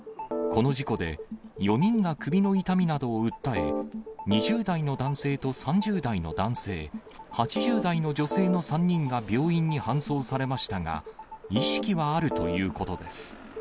この事故で、４人が首の痛みなどを訴え、２０代の男性と３０代の男性、８０代の女性の３人が病院に搬送されましたが、意識はあるということです。